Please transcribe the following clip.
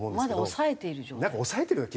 まだ抑えている状態？